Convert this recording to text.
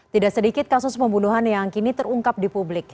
tidak sedikit kasus pembunuhan yang kini terungkap di publik